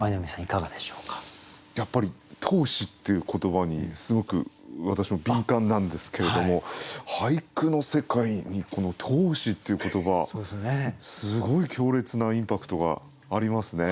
やっぱり「闘志」っていう言葉にすごく私も敏感なんですけれども俳句の世界にこの「闘志」っていう言葉すごい強烈なインパクトがありますね。